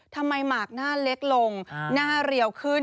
หมากหน้าเล็กลงหน้าเรียวขึ้น